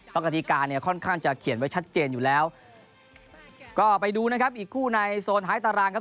ปกติการเนี่ยค่อนข้างจะเขียนไว้ชัดเจนอยู่แล้วก็ไปดูนะครับอีกคู่ในโซนท้ายตารางครับ